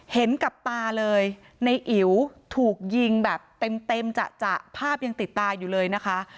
เห็นกับตาเลยในอิ๋วถูกยิงแบบเต็มจะภาพยังติดตาอยู่เลยนะคะ